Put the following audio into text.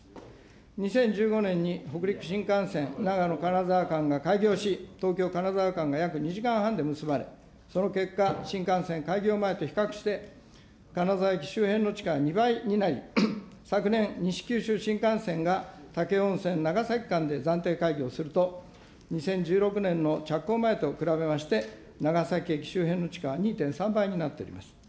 ２０１５年に北陸新幹線長野・金沢間が開業し、東京・金沢間が約２時間半で結ばれ、その結果、新幹線開業前と比較して、金沢駅周辺の地価は２倍になり、昨年、西九州新幹線が武雄温泉・長崎間で暫定開業すると、２０１６年の着工前と比べまして、長崎駅周辺の地価は２．３倍になっております。